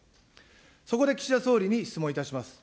そこで岸田総理に質問いたします。